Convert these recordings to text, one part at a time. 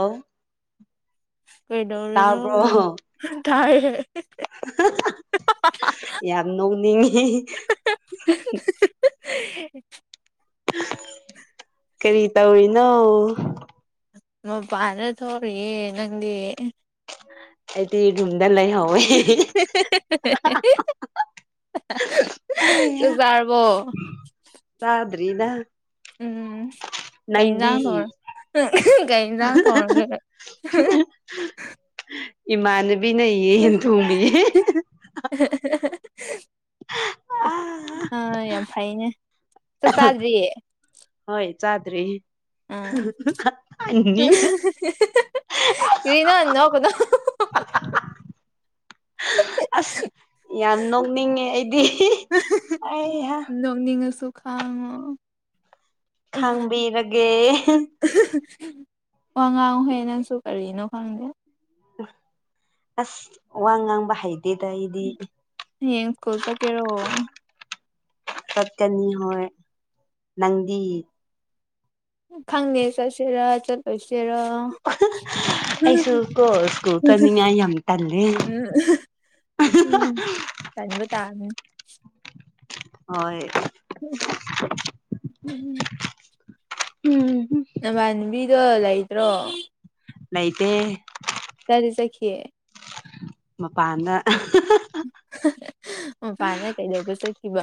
ꯂꯧ ꯀꯩꯗꯧꯔꯤꯅ‌ꯣ ꯇꯥꯏꯌ‌ꯦ ꯌꯥꯝ ꯅ‌ꯣꯛꯅꯤꯡꯉꯤ [unintelligible] [unintelligible] ꯀꯔꯤ ꯇꯧꯔꯤꯅꯣ ꯃꯄꯥꯟꯗ ꯊꯣꯛꯔꯤꯑ‌ꯦ ꯅꯪꯗꯤ ꯑꯩꯗꯤ ꯔꯨꯝꯗ ꯂꯩꯍꯧꯋꯦ ꯆꯛꯆꯥꯔꯕꯣ ꯆꯗ꯭ꯔꯤꯗ ꯎꯝ ꯀꯩ ꯌꯦꯟꯖꯥꯡ ꯇꯧꯔ ꯀꯩ ꯌꯦꯟꯖꯥꯡ ꯇꯧꯔꯒꯦ ꯏꯃꯥꯟꯅꯕꯤꯅ ꯌꯦ ꯌꯦꯟ ꯊꯣꯡꯕꯤꯌꯦ [unintelligible] ꯑꯥ ꯑꯥ ꯌꯥꯝ ꯐꯩꯅꯦ ꯆꯥꯛ ꯆꯥꯗ꯭ꯔꯤꯌꯦ ꯍꯣꯏ ꯆꯥꯗꯔꯤ ꯑꯥ [unintelligible] ꯀꯔꯤꯅꯣ ꯅꯣꯛꯀꯅꯣ ꯑꯁ ꯌꯥꯝ ꯅꯣꯛꯅꯤꯡꯉꯦ ꯑꯩꯗꯤ ꯅꯣꯛꯅꯤꯡꯉꯁꯨ ꯈꯥꯡꯉꯣ ꯈꯥꯡꯕꯤꯔꯒꯦ ꯋꯥ ꯉꯥꯡꯉꯣꯍꯦ ꯅꯪꯁꯨ ꯀꯔꯤꯅꯣ ꯈꯪꯗꯦ ꯑꯁ ꯋꯥ ꯉꯥꯡꯕ ꯍꯩ ꯇꯤꯗ ꯑꯩꯗꯤ ꯍꯌꯦꯡ ꯁ꯭ꯀꯨꯜ ꯆꯠꯀꯦꯔꯣ ꯆꯠꯀꯅꯤ ꯍꯣꯏ ꯅꯪꯗꯤ ꯈꯪꯗꯦ ꯆꯠꯁꯤꯔ ꯆꯠꯂꯣꯏꯁꯤꯔ ꯑꯥ ꯑꯩꯁꯨ ꯀꯣ ꯁ꯭ꯀꯨꯜ ꯆꯠꯅꯤꯡꯉꯥꯏ ꯌꯥꯝ ꯇꯜꯂꯦ ꯎꯝ ꯎꯝ ꯆꯟꯕ ꯇꯥꯝꯅꯤ ꯍꯣꯏ [unintelligible] ꯍꯨꯝ ꯍꯨꯝ ꯅꯕꯥꯟꯅꯕꯤꯗꯣ ꯂꯩꯇ꯭ꯔꯣ ꯂꯩꯇꯦ ꯀꯥꯏꯗ ꯆꯠꯈꯤꯑꯦ ꯃꯄꯥꯟꯗ ꯃꯄꯥꯟꯗ ꯀꯩꯗꯧꯕ ꯆꯠꯈꯤꯕ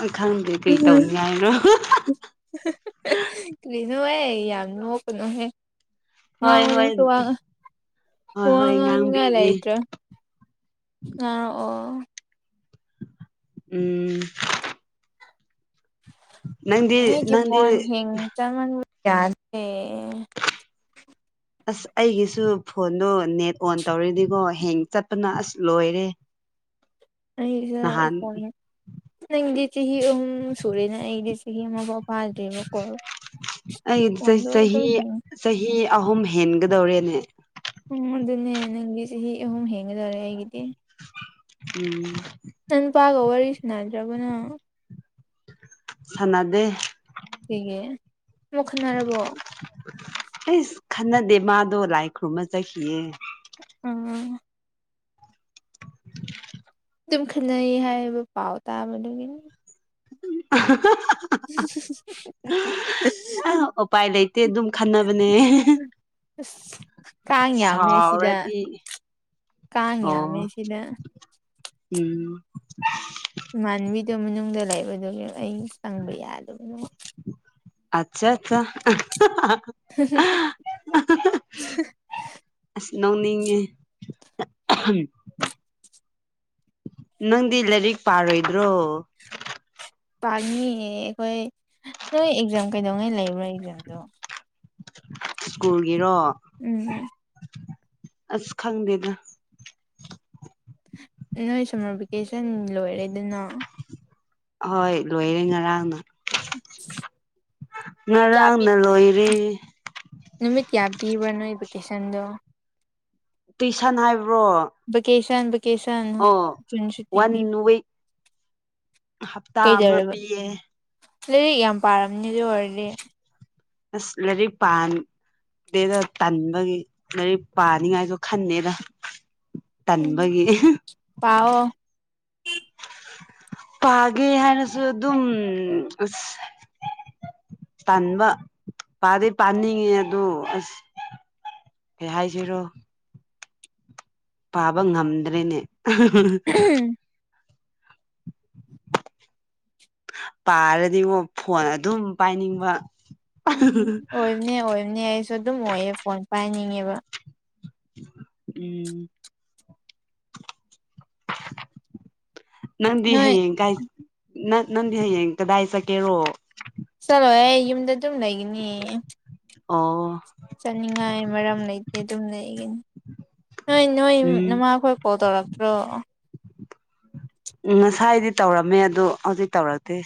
ꯑꯩ ꯈꯪꯗꯦ ꯀꯔꯤ ꯇꯧꯅꯤꯡꯉꯥꯏꯅꯣ [inaudible] ꯀꯔꯤꯅꯨꯍꯦ ꯌꯥꯝ ꯅꯣꯛꯀꯅꯨꯍꯦ ꯍꯣꯏ ꯉꯥꯡꯉꯣ ꯍꯣꯏ ꯅꯪꯁꯨ ꯋꯥ ꯍꯣꯏ ꯋꯥ ꯍꯣꯏ ꯉꯥꯡꯅꯤꯡꯉꯥꯏ ꯉꯥꯡꯕꯤꯒꯦ ꯂꯩꯇ꯭ꯔꯦ ꯉꯥꯔꯣꯛꯑꯣ ꯎꯝ ꯅꯪꯗꯤ ꯃꯤꯒꯤ ꯅꯪꯗꯤ ꯐꯣꯟ ꯍꯦꯡ ꯆꯪꯃꯟꯕ ꯌꯥꯗꯦ ꯑꯁ ꯑꯩꯒꯤꯁꯨ ꯐꯣꯟꯗꯣ ꯅꯦꯠ ꯑꯣꯟ ꯇꯧꯔꯗꯤꯀꯣ ꯍꯦꯡ ꯆꯠꯄꯅ ꯑꯁ ꯂꯣꯏꯔꯦ ꯑꯩꯒꯤꯖꯨ ꯅꯍꯥꯟ ꯐꯣꯟ ꯅꯪꯒꯤꯗꯤ ꯆꯍꯤ ꯑꯍꯨꯝ ꯁꯨꯔꯦꯅꯦ ꯑꯩꯗꯤ ꯆꯍꯤ ꯑꯃ ꯐꯥꯎ ꯐꯥꯗ꯭ꯔꯤꯕꯀꯣ ꯑꯩ ꯐꯣꯟꯗꯣ ꯆꯍꯤ ꯑꯗꯨꯝ ꯌꯦꯡ ꯆꯍꯤ ꯑꯍꯨꯝ ꯍꯦꯟꯒꯗꯧꯔꯦꯅꯦ ꯎꯝ ꯑꯗꯨꯅꯦ ꯅꯪꯗꯤ ꯆꯍꯤ ꯑꯍꯨꯝ ꯍꯦꯟꯒꯗꯧꯔꯦ ꯑꯩꯒꯤꯗꯤ ꯎꯝ ꯅꯪ ꯅꯨꯄꯥꯒ ꯋꯥꯔꯤ ꯁꯥꯟꯅꯗ꯭ꯔꯕꯣ ꯅꯪ ꯁꯥꯟꯅꯗꯦ ꯀꯩꯒꯤ ꯑꯃꯨꯛ ꯈꯟꯅꯔꯕꯣ ꯑꯩꯁ ꯈꯟꯅꯗꯦ ꯃꯥꯗꯣ ꯂꯥꯏ ꯈꯨꯔꯨꯝꯃ ꯆꯠꯈꯤꯌꯦ ꯑꯥꯡ ꯗꯨꯝ ꯈꯟꯅꯩ ꯍꯥꯏꯕ ꯄꯥꯎ ꯇꯥꯕꯗꯨꯒꯤꯅꯤ [unintelligible] [unintelligible] ꯎꯄꯥꯏ ꯂꯩꯇꯦ ꯑꯗꯨꯝ ꯈꯟꯅꯕꯅꯦ ꯀꯥꯡ ꯌꯥꯝꯃꯦ ꯁꯤꯗ ꯁꯥꯎꯔꯗꯤ ꯀꯥꯡ ꯑꯣ ꯌꯥꯝꯃꯦ ꯁꯤꯗ ꯎꯝ ꯏꯃꯥꯟꯅꯕꯤꯗꯨ ꯃꯅꯨꯡꯗ ꯂꯩꯕꯗꯨꯒꯤ ꯑꯩ ꯆꯪꯕ ꯌꯥꯗꯕꯅꯦ ꯑꯠꯁꯥ ꯆꯥ [unintelligible] ꯑꯁ ꯅꯧꯅꯤꯡꯉꯦ ꯅꯪꯗꯤ ꯂꯥꯔꯤꯛ ꯄꯥꯔꯣꯏꯗ꯭ꯔꯣ ꯄꯥꯅꯤꯌꯦ ꯑꯩꯈꯣꯏ ꯅꯣꯏ ꯑꯦꯛꯖꯥꯝ ꯀꯩꯗꯧꯉꯩ ꯂꯩꯕ꯭ꯔꯥ ꯑꯦꯛꯖꯥꯝꯗꯣ ꯁ꯭ꯀꯨꯜꯒꯤꯔꯣ ꯎꯝ ꯍꯨꯝ ꯑꯁ ꯈꯪꯗꯦꯗ ꯅꯣꯏ ꯁꯝꯃꯔ ꯚꯦꯀꯦꯁꯟ ꯂꯣꯏꯔꯦꯗꯅ ꯑꯍꯣꯏ ꯂꯣꯏꯔꯦ ꯉꯔꯥꯡꯅ ꯀꯌꯥ ꯄꯤ ꯉꯔꯥꯡꯅ ꯂꯣꯏꯔꯦ ꯅꯨꯃꯤꯠ ꯀꯌꯥꯝ ꯄꯤꯕ꯭ꯔꯥ ꯅꯣꯏ ꯚꯦꯀꯦꯁꯟꯗꯣ ꯇꯨꯏꯁꯟ ꯍꯥꯏꯕ꯭ꯔꯣ ꯚꯦꯀꯦꯁꯟ ꯚꯦꯀꯦꯁꯟ ꯑꯣ ꯖꯨꯟ ꯁꯨꯇꯤ ꯋꯥꯟ ꯄꯤ ꯋꯤꯛ ꯍꯞꯇꯥ ꯑꯃ ꯄꯤꯌꯦ ꯂꯩꯔꯤꯛ ꯌꯥꯝ ꯄꯥꯔꯝꯅꯤ ꯑꯗꯨ ꯑꯣꯏꯔꯗꯤ ꯑꯁ ꯂꯩꯔꯤꯛ ꯄꯥꯟ ꯗꯦꯗ ꯇꯟꯕꯒꯤ ꯂꯥꯏꯔꯤꯛ ꯄꯥꯅꯤꯉꯥꯏꯖꯨ ꯈꯟꯅꯦꯗ ꯇꯟꯕꯒꯤ ꯄꯥꯎꯑꯣ ꯄꯥꯒꯦ ꯍꯥꯏꯔꯁꯨ ꯑꯗꯨꯝ ꯑꯁ ꯇꯟꯕ ꯄꯥꯗꯤ ꯄꯥꯅꯤꯡꯉꯤ ꯑꯗꯨ ꯑꯁ ꯀꯩ ꯍꯥꯏꯖꯤꯔꯣ ꯄꯥꯕ ꯉꯝꯗ꯭ꯔꯦꯅꯦ ꯄꯥꯔꯗꯤꯉꯣ ꯐꯣꯟ ꯑꯗꯨꯝ ꯄꯥꯏꯅꯤꯡꯕ ꯎꯝ ꯑꯣꯏꯕꯅꯦ ꯑꯣꯏꯕꯅꯦ ꯑꯩꯁꯨ ꯑꯗꯨꯝ ꯑꯣꯏꯌꯦ ꯐꯣꯟ ꯄꯥꯏꯅꯤꯡꯉꯦꯕ ꯎꯝ ꯅꯪꯗꯤ ꯅꯣꯏ ꯍꯌꯦꯡ ꯀꯥꯏ ꯅꯠ ꯅꯪꯗꯤ ꯍꯌꯦꯡ ꯀꯗꯥꯏ ꯆꯥꯀꯦꯔꯣ ꯆꯠꯂꯣꯏꯍꯦ ꯌꯨꯝꯗ ꯑꯗꯨꯝ ꯂꯩꯒꯅꯤ ꯑꯣ ꯆꯠꯅꯤꯡꯉꯥꯏ ꯃꯔꯝ ꯂꯩꯇꯦ ꯑꯗꯨꯝ ꯂꯩꯒꯅꯤ ꯅꯣꯏ ꯅꯣꯏ ꯎꯝ ꯅꯃꯥꯈꯣꯏ ꯀꯣꯡ ꯇꯧꯔꯛꯇ꯭ꯔꯣ ꯎꯝ ꯉꯁꯥꯏꯗꯤ ꯇꯧꯔꯝꯃꯦ ꯑꯗꯣ ꯍꯧꯖꯤꯛ ꯇꯧꯔꯛꯇꯦ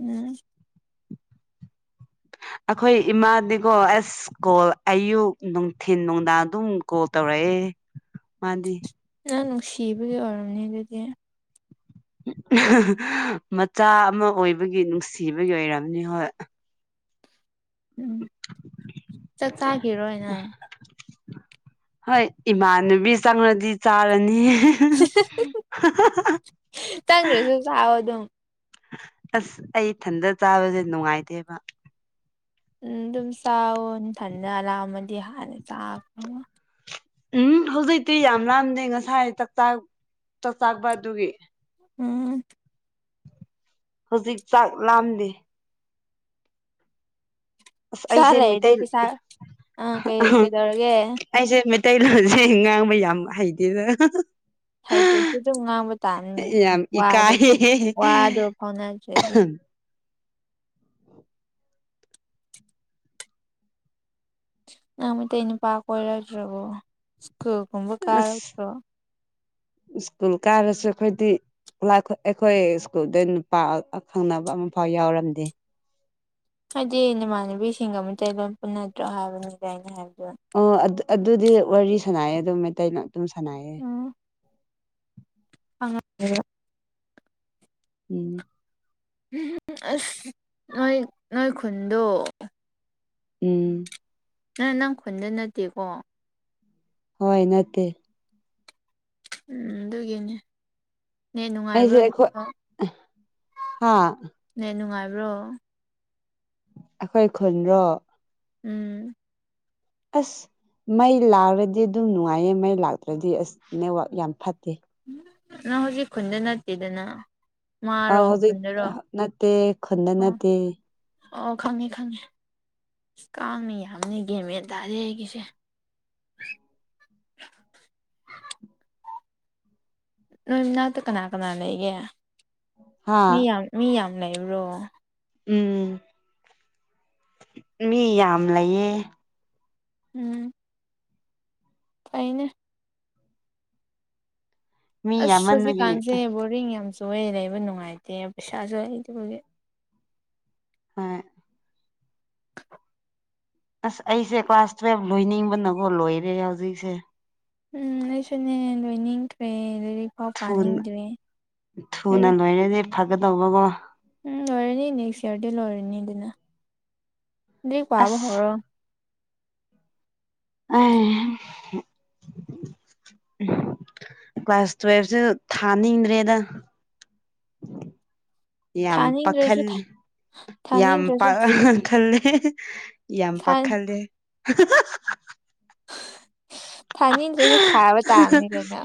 ꯎꯝ ꯑꯈꯣꯏ ꯏꯃꯥꯗꯤꯀꯣ ꯑꯦꯁ ꯀꯣꯜ ꯑꯌꯨꯛ ꯅꯨꯡꯊꯤꯟ ꯅꯨꯡꯗꯥꯡ ꯑꯗꯨꯝ ꯀꯣꯜ ꯇꯧꯔꯛꯑꯦ ꯃꯥꯗꯤ ꯅꯪ ꯅꯨꯡꯁꯤꯕꯒꯤ ꯑꯣꯏꯔꯝꯅꯤ ꯑꯗꯨꯗꯤ ꯃꯆꯥ ꯑꯃ ꯑꯣꯏꯕꯒꯤ ꯅꯨꯡꯁꯤꯕꯒꯤ ꯑꯣꯏꯔꯝꯅꯤ ꯍꯣꯏ ꯎꯝ ꯆꯥꯛ ꯆꯥꯈꯤꯔꯣꯏ ꯅꯪ ꯍꯣꯏ ꯏꯃꯥꯟꯅꯕꯤ ꯆꯪꯂꯗꯤ ꯆꯥꯔꯅꯤ ꯇꯪꯗ꯭ꯔꯁꯨ ꯆꯥꯎꯋꯣ ꯑꯗꯨꯝ ꯑꯁ ꯑꯩ ꯏꯊꯟꯗ ꯆꯥꯕꯖꯦ ꯅꯨꯡꯉꯥꯏꯇꯦꯕ ꯎꯝ ꯑꯗꯨꯝ ꯆꯥꯋꯣ ꯅꯊꯟꯗ ꯂꯥꯝꯃꯗꯤ ꯍꯥꯟꯅ ꯆꯥ ꯎꯝ ꯍꯧꯖꯤꯛꯇꯤ ꯌꯥꯝ ꯂꯥꯝꯗꯦ ꯉꯁꯥꯏ ꯆꯥꯛꯆꯥꯔꯛ ꯆꯥꯛꯆꯔꯛꯄ꯭ꯔꯥ ꯑꯗꯨꯒꯤ ꯎꯝ ꯍꯧꯖꯤꯛ ꯆꯥꯛ ꯂꯥꯝꯗꯦ ꯑꯁ ꯄꯩꯁꯥ ꯑꯩꯁꯦ ꯂꯩꯔꯗꯤ ꯃꯤꯇꯩ ꯄꯩꯁꯥ ꯑꯥ ꯀꯩ ꯀꯩꯗꯧꯔꯒꯦ ꯑꯩꯁꯦ ꯃꯩꯇꯩꯂꯣꯟꯁꯦ ꯉꯥꯡꯕ ꯌꯥꯝ ꯍꯩꯇꯦꯗ ꯍꯩꯇ꯭ꯔꯁꯨ ꯑꯗꯨꯝ ꯉꯥꯡꯕ ꯇꯥꯕꯅꯤꯅꯦ ꯌꯥꯝ ꯋꯥꯗꯣ ꯏꯀꯥꯏꯌꯦ ꯋꯥꯗꯣ ꯐꯥꯎꯅꯗ꯭ꯔꯗꯤ ꯅꯪ ꯃꯩꯇꯩ ꯅꯨꯄꯥ ꯀꯣꯏꯔꯛꯇ꯭ꯔꯕꯣ ꯁ꯭ꯀꯨꯜꯒꯨꯝꯕ ꯀꯥꯔꯛꯇ꯭ꯔꯣ ꯑꯁ ꯁ꯭ꯀꯨꯜ ꯀꯥꯔꯁꯨ ꯑꯈꯣꯏꯗꯤ ꯂꯥꯏꯈꯣꯏ ꯑꯩꯈꯣꯏ ꯁ꯭ꯀꯨꯜꯗꯩ ꯅꯨꯄꯥ ꯑ ꯑꯈꯪꯅꯕ ꯑꯃꯐꯥꯎ ꯌꯥꯎꯔꯝꯗꯦ ꯍꯥꯏꯗꯤ ꯅꯃꯥꯟꯅꯕꯤꯁꯤꯡꯒ ꯃꯩꯇꯩ ꯂꯣꯟ ꯄꯨꯟꯅꯥꯗ꯭ꯔꯣ ꯍꯥꯏꯕꯅꯤꯗ ꯑꯩꯅ ꯍꯥꯏꯕꯗꯣ ꯑꯣ ꯑꯗꯨ ꯑꯗꯨꯗꯤ ꯋꯥꯔꯤ ꯁꯥꯟꯅꯩꯌꯦ ꯑꯗꯨꯝ ꯃꯩꯇꯩꯅ ꯑꯗꯨꯝ ꯁꯅꯥꯏꯌꯦ ꯍꯉ [unintelligible] ꯎꯝ ꯎꯝ ꯑꯁ ꯅꯣꯏ ꯅꯣꯏ ꯈꯨꯨꯟꯗꯣ ꯎꯝ ꯅꯥ ꯅꯪ ꯈꯨꯟꯗꯩ ꯅꯠꯇꯦꯀꯣ ꯍꯣꯏ ꯅꯠꯇꯦ ꯎꯝ ꯑꯗꯨꯒꯤꯅꯤ ꯑꯩꯁꯦ ꯑꯩꯈꯣꯏ ꯍꯥꯥ ꯅ‌ꯦꯠ ꯅꯨꯡꯉꯥꯏꯕ꯭ꯔꯣ ꯑꯩꯈꯣꯏ ꯈꯨꯜꯔꯣ ꯎꯝ ꯑꯁ ꯃꯩ ꯂꯥꯛꯑꯔꯗꯤ ꯑꯗꯨꯝ ꯅꯨꯡꯉꯥꯏꯌꯦ ꯃꯩ ꯂꯥꯛꯇ꯭ꯔꯗꯤ ꯑꯁ ꯅꯦꯠꯋꯥꯛ ꯌꯥꯝ ꯐꯠꯇꯦ ꯅꯪ ꯍꯧꯖꯤꯛ ꯈꯨꯟꯗꯅꯠꯇ‌ꯦꯗꯅꯥ ꯑꯥꯎ ꯍꯧꯖꯤꯛ ꯅꯠꯇꯦ ꯈꯨꯟꯗ ꯑꯣ ꯅꯠꯇꯦ ꯑꯣ ꯈꯪꯉꯦ ꯈꯪꯉꯦ ꯀꯥꯡ ꯃꯌꯥꯝꯅ‌ꯦ ꯒ꯭ꯌꯥꯟꯃꯦꯟ ꯇꯥꯗ‌ꯦ ꯑꯩꯒꯤꯁꯦ ꯅꯣꯏ ꯃꯅꯥꯛꯇ ꯀꯅꯥ ꯀꯅꯥ ꯂꯩꯒꯦ ꯍꯥ ꯃꯤ ꯌꯥꯝ ꯃꯤ ꯌꯥꯝ ꯂꯩꯕ꯭ꯔꯣ ꯎꯝ ꯃꯤ ꯌꯥꯝ ꯂꯩꯌꯦ ꯎꯝ ꯐꯩꯅ‌ꯦ ꯃꯤ ꯑꯁ ꯌꯥꯝꯃꯟꯕꯒꯤ ꯍꯧꯖꯤꯛꯀꯥꯟꯁꯦ ꯕꯣꯔꯤꯡ ꯌꯥꯝ ꯆꯨꯑꯦ ꯂꯩꯕ ꯅꯨꯡꯉꯥꯏꯇꯦ ꯄꯩꯁꯥꯁꯨ ꯂꯩꯇꯕꯥ ꯍꯧꯖꯤꯛ ꯍꫭꯏ ꯑꯁ ꯑꯩꯁꯦ ꯀ꯭ꯂꯥꯁ ꯇꯨꯋꯦꯜꯕ ꯂꯣꯏꯅꯤꯡꯕꯅꯀꯣ ꯂꯣꯏꯔꯦ ꯍꯧꯖꯤꯛꯁꯦ ꯎꯝ ꯑꯩꯁꯨꯅꯦ ꯂꯣꯏꯅꯤꯡꯈ꯭ꯔꯦ ꯂꯥꯏꯔꯤꯛ ꯐꯥꯎ ꯊꯨꯅ ꯄꯥꯅꯤꯡꯗ꯭ꯔꯦ ꯊꯨꯅ ꯂꯥꯏꯔꯤꯛ ꯂꯣꯏꯔꯗꯤ ꯐꯒꯗꯧꯕꯀꫭ ꯎꯝ ꯂꯣꯏꯔꯅꯤ ꯅꯦꯛꯁ ꯏꯌꯥꯔꯗꯥ ꯂꯣꯏꯔꯅꯤꯗꯅꯥ ꯂꯥꯏꯔꯤꯛ ꯄꯥꯕ ꯑꯁ ꯍꯧꯔꯣ ꯑ [unintelligible] ꯎꯝ ꯀ꯭ꯂꯥꯁ ꯇꯨꯋꯦꯜꯐꯁꯨ ꯊꯥꯅꯤꯡꯗ꯭ꯔꯦꯗꯥ ꯌꯥꯝ ꯊꯥꯅꯤꯡꯗ꯭ꯔꯁꯨ ꯄꯥꯈꯜꯂ‌ꯦ ꯌꯥꯝ ꯄꯥ ꯊꯥꯅꯤꯡꯗ꯭ꯔꯁꯨ ꯈꯜꯂꯦ ꯌꯥꯝ ꯄꯥꯈꯜꯂ‌ꯦ ꯊꯥꯅꯤꯡꯗ꯭ꯔꯥꯁꯨ ꯊꯥꯕ ꯇꯥꯕꯅꯦ ꯀꯩꯅꯣ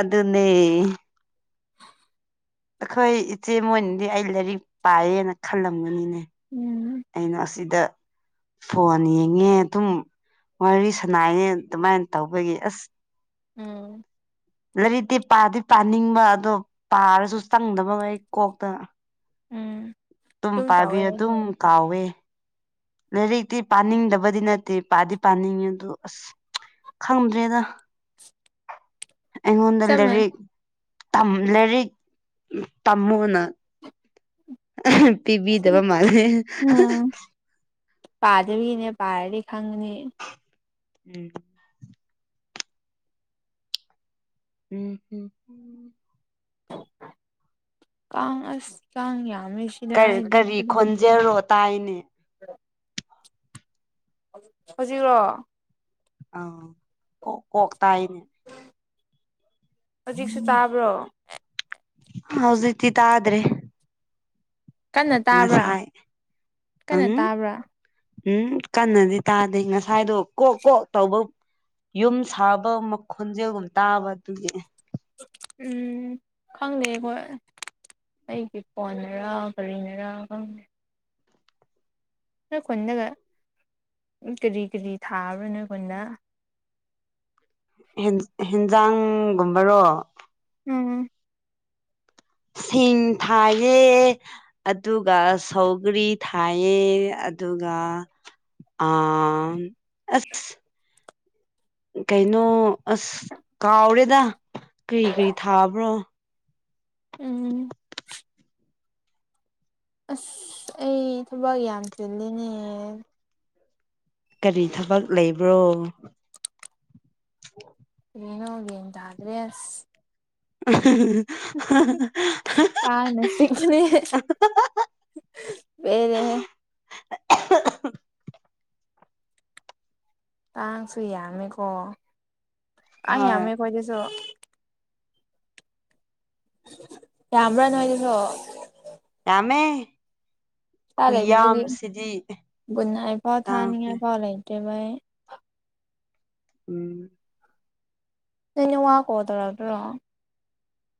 ꯑꯗꯨꯅꯦ ꯑꯩꯈꯣꯏ ꯏꯆꯦ ꯃꯣꯏꯅꯗꯤ ꯑꯩ ꯂꯥꯏꯔꯤꯛ ꯄꯥꯏꯌꯦꯅ ꯈꯜꯂꯝꯒꯅꯤꯅꯦ ꯎꯝ ꯑꯩꯅ ꯑꯁꯤꯗ ꯐꯣꯟ ꯌꯦꯡꯉꯦ ꯑꯗꯨꯝ ꯋꯥꯔꯤ ꯁꯅꯥꯏꯌꯦ ꯑꯗꯨꯃꯥꯏꯅ ꯇꯧꯕꯒꯤ ꯑꯁ ꯎꯝ ꯂꯩꯔꯤꯛꯇꯤ ꯄꯥꯗꯤ ꯄꯥꯅꯤꯡꯕ ꯑꯗꯣ ꯄꯥꯔꯁꯨ ꯆꯪꯗꯕ ꯑꯩ ꯀꯣꯛꯇ ꯎꯝ ꯑꯗꯨꯝ ꯄꯥꯕꯤ ꯇꯧꯋꯦ ꯑꯩꯁꯨ ꯑꯗꯨꯝ ꯀꯥꯎꯋꯦ ꯂꯥꯏꯔꯤꯛꯇꯤ ꯄꯥꯅꯤꯡꯗꯕꯗꯤ ꯅꯠꯇꯦ ꯄꯥꯗꯤ ꯄꯥꯅꯤꯡꯉꯦ ꯑꯗꯨ ꯑꯁ ꯈꯪꯗ꯭ꯔꯦꯗ ꯑꯩꯉꯣꯟꯗ ꯆꯞ ꯃꯥꯟꯅꯩ ꯂꯥꯏꯔꯤꯛ ꯂꯥꯏꯔꯤꯛ ꯇꯝꯃꯣꯅ ꯄꯤꯕꯤꯗꯕ ꯃꯥꯜꯂꯦ ꯎꯝ ꯄꯥꯗꯕꯒꯤꯅꯦ ꯄꯥꯔꯗꯤ ꯈꯪꯒꯅꯤ ꯎꯝ ꯎꯝ ꯍꯝ ꯀꯥꯡ ꯑꯁ ꯀꯥꯡ ꯌꯥꯝꯃꯤ ꯁ ꯀꯔꯤ ꯀꯔꯤ ꯈꯣꯟꯖꯦꯜꯔꯣ ꯇꯥꯏꯅꯦ [unintelligible] ꯍꯧꯖꯤꯛꯂꯣ ꯑꯧ ꯀꯣꯛ ꯀꯣꯛ ꯇꯥꯏꯅꯦ ꯍꯧꯖꯤꯛꯁꯨ ꯇꯥꯕ꯭ꯔꯣ ꯍꯧꯖꯤꯛꯇꯤ ꯇꯗ꯭ꯔꯦ ꯀꯟꯅ ꯇꯥꯕ꯭ꯔꯥ ꯉꯁꯥꯏ ꯑꯪ ꯀꯟꯅ ꯇꯥꯕ꯭ꯔꯥ ꯎꯝ ꯀꯟꯅꯗꯤ ꯇꯥꯗꯦ ꯉꯁꯥꯏꯗꯣ ꯀꯣꯛ ꯀꯣꯛ ꯇꯧꯕ ꯌꯨꯝ ꯁꯥꯕ ꯃꯈꯣꯟꯖꯦꯜꯒꯨꯝ ꯇꯥꯕ ꯑꯗꯨꯒꯤꯅꯦ ꯎꯝ ꯈꯪꯗꯦ ꯑꯩꯈꯣꯏ ꯑꯩꯒꯤ ꯐꯣꯟꯅꯔꯥ ꯀꯔꯤꯅꯔꯥ ꯈꯪꯗꯦ ꯅꯣꯢ ꯈꯨꯟꯗꯒ ꯀꯔꯤ ꯀꯔꯤ ꯊꯥꯕ꯭ꯔ ꯅꯣꯢ ꯈꯨꯟꯗ ꯍꯦꯟ ꯍꯦꯟꯖꯥꯡꯒꯨꯝꯕꯔꯣ ꯎꯝ ꯁꯤꯡ ꯊꯥꯏꯌꯦ ꯑꯗꯨꯒ ꯁꯧꯒ꯭ꯔꯤ ꯊꯥꯏꯑꯦ ꯑꯗꯨꯒ ꯑꯥ ꯑꯁ ꯀꯩꯅꯣ ꯑꯁ ꯀꯥꯎꯔꯦꯗ ꯀꯔꯤ ꯀꯔꯤ ꯊꯥꯕ꯭ꯔꯣ ꯎꯝ ꯑꯁ ꯑꯩ ꯊꯕꯛ ꯌꯥꯝ ꯆꯤꯜꯂꯤꯅꯦ ꯀꯔꯤ ꯊꯕꯛ ꯂꯩꯕ꯭ꯔꯣ ꯑꯣ ꯌꯦꯅꯣ ꯒꯦꯟ ꯇꯥꯗ꯭ꯔꯦꯁ [unintelligible] ꯄꯤꯛꯄꯅꯤ ꯄꯦꯜꯂꯦꯍꯦ ꯀꯥꯡꯁꯨ ꯌꯥꯝꯃꯦꯀꯣ ꯀꯥꯡ ꯍꯣꯏ ꯌꯥꯝꯃꯦ ꯈꯣꯏꯗꯁꯨ ꯌꯥꯝꯕ꯭ꯔ ꯅꯣꯢꯗꯁꯨ ꯌꯥꯝꯃꯦ ꯀꯥꯡ ꯂꯩꯕꯒꯤ ꯈꯨꯌꯥꯝꯁꯤꯗꯤ ꯒꯨꯠꯅꯥꯏꯠ ꯐꯥꯎ ꯊꯥꯅꯤꯡꯉꯥꯏ ꯐꯥꯎ ꯂꯩꯇ꯭ꯔꯦꯕ ꯑꯩ ꯎꯝ ꯅꯣꯢ ꯅꯥꯋꯥ ꯀꯣꯜ ꯇꯧꯔꯛꯄ꯭ꯔꯣ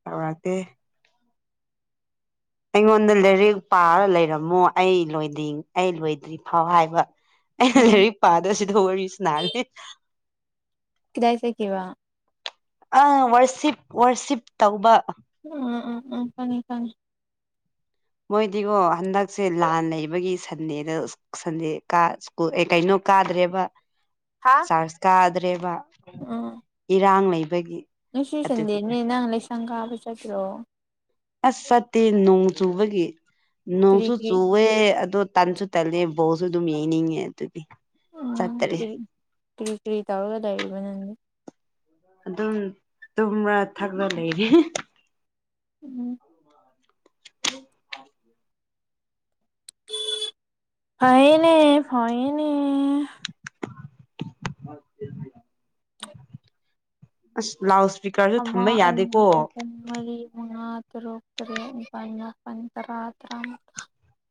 ꯇꯧꯔꯥꯛꯇꯦ ꯑꯩꯉꯣꯟꯗ ꯂꯥꯏꯔꯤꯛ ꯄꯥꯔ ꯂꯩꯔꯝꯃꯣ ꯑꯩ ꯂꯣꯏꯗ꯭ꯔꯤ ꯑꯩ ꯂꯣꯏꯗ꯭ꯔꯤꯐꯥꯎ ꯍꯥꯏꯕ ꯎꯝ ꯂꯩꯔꯤꯛ ꯄꯥꯗꯣꯁꯤꯗ ꯋꯥꯔꯤ ꯁꯥꯟꯅꯔꯤ ꯀꯤꯗꯥꯢ ꯆꯠꯈꯤꯕ ꯑ ꯋꯥꯔꯁꯤꯞ ꯋꯥꯔꯁꯤꯞ ꯇꯧꯕ ꯎꯝ ꯎꯝ ꯎꯝ ꯈꯪꯉꯦ ꯈꯪꯉꯦ ꯃꯣꯏꯗꯤꯀꯣ ꯍꯟꯗꯛꯁꯦ ꯂꯥꯟ ꯂꯩꯕꯒꯤ ꯁꯟꯗꯦꯗ ꯁꯟꯗꯦ ꯀꯥ ꯁꯀꯨꯜ ꯑꯦ ꯀꯩꯅꯣ ꯀꯥꯗ꯭ꯔꯦꯕ ꯍꯥ ꯆꯥꯔꯁ ꯀꯥꯗ꯭ꯔꯦꯕ ꯎꯝ ꯏꯔꯥꯡ ꯂꯩꯕꯒꯤ ꯉꯁꯤ ꯑꯗꯨꯒꯤ ꯁꯟꯗꯦꯅꯦ ꯅꯪ ꯂꯩꯁꯪ ꯀꯥꯕ ꯆꯠꯇ꯭ꯔꯣ ꯑꯁ ꯆꯠꯇꯦ ꯅꯣꯡ ꯆꯨꯕꯒꯤ ꯀꯔꯤ ꯅꯣꯡꯁꯨ ꯀꯔꯤ ꯆꯨ ꯋꯦ ꯑꯗꯣ ꯇꯟꯁꯨ ꯇꯜꯂꯦ ꯕꯣꯜꯁꯨ ꯑꯗꯨꯝ ꯌꯦꯡꯅꯤꯡꯉꯦ ꯑꯗꯨꯒꯤ ꯎꯝ ꯆꯠꯇꯔꯦ ꯀꯔꯤ ꯀꯔꯤ ꯀꯔꯤ ꯇꯧꯔꯒ ꯂꯩꯔꯤꯕ ꯅꯪꯗꯤ ꯑꯗꯨꯝ ꯇꯨꯝꯔ ꯊꯛꯂ ꯂꯩꯔꯤ ꯎꯝ [inaudible] ꯐꯩꯅꯦ ꯐꯩꯏꯅꯦ [inaudible] ꯑꯁ ꯂꯥꯎ ꯏꯁꯄꯤꯀꯔꯁꯨ ꯑꯃ ꯊꯝꯕ ꯌꯥꯗꯦꯀꯣ ꯑꯅꯤ ꯑꯍꯨꯝ ꯃꯔꯤ ꯃꯉꯥ ꯇꯔꯨꯛ ꯇꯔꯦꯠ ꯅꯤꯄꯥꯜ ꯃꯥꯄꯟ ꯇꯔꯥ ꯇꯔꯥꯃ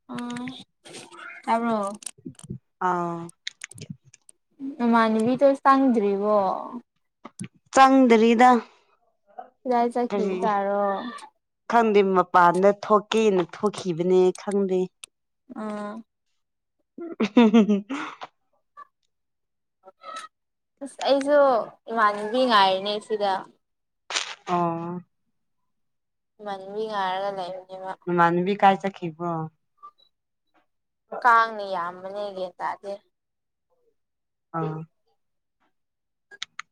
[unintelligible] ꯇꯥꯕꯔꯣ ꯑꯥ ꯅꯥꯃꯥꯟꯅꯕꯤꯗꯣ ꯆꯪꯗ꯭ꯔꯤꯕꯣ ꯆꯪꯗ꯭ꯔꯤꯗ ꯀꯔꯤ [unintelligible] ꯈꯪꯗꯦ ꯃꯄꯥꯟꯗ ꯊꯣꯛꯀꯦꯅ ꯊꯣꯛꯈꯤꯕꯅꯦ ꯈꯪꯗꯦ ꯑꯥ [unintelligible] ꯑꯁ ꯑꯩꯁꯨ ꯏꯃꯥꯟꯅꯕꯤ ꯉꯥꯏꯔꯤꯅꯦ ꯁꯤꯗ ꯑꯣ ꯏꯃꯥꯟꯅꯕꯤ ꯉꯥꯏꯔꯒ ꯂꯩꯕꯅꯦ ꯃ ꯏꯃꯥꯟꯕꯤ ꯀꯥꯏ ꯆꯠꯈꯤꯕꯔꯣ ꯀꯥꯡꯅ ꯌꯥꯝꯕꯅꯦꯒꯤ ꯇꯥꯗꯦ ꯑꯥ